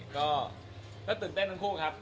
ก็ตื่นเต้นทั้งคู่ครับ